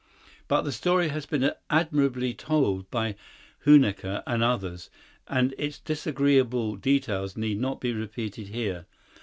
But the story has been admirably told by Huneker and others and its disagreeable details need not be repeated here.